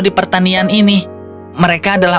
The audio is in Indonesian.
di pertanian ini mereka adalah